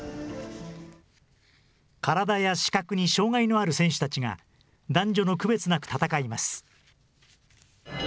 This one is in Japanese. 体や視覚に障害のある選手たちが、男女の区別なく戦います。